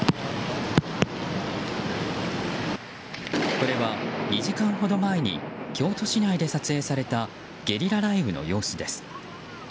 これは２時間ほど前に京都市内で撮影されたゲリラ雷雨の様子です。